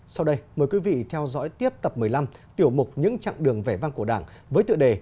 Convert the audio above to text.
sau đây mời quý vị theo dõi tiếp tập một mươi năm tiểu mục những chặng đường vẻ vang của đảng với tựa đề